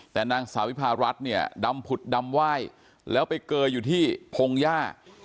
แต่นางสาววิพารัฐเนี่ยดำผุดดำไหว้แล้วไปเกยอยู่ที่พงหญ้า